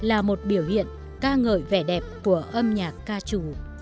là một biểu hiện ca ngợi vẻ đẹp của âm nhạc ca trù